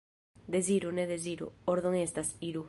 Deziru, ne deziru — ordon' estas, iru!